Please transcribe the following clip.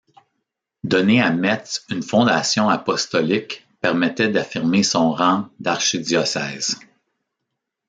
Donner à Metz une fondation apostolique permettait d’affirmer son rang d’archidiocèse.